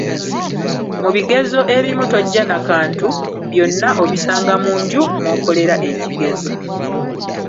Mu bigezo ebimu tojja na kantu, byonna obisanga mu nju mw'okolera ekigezo.